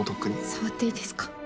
触っていいですか？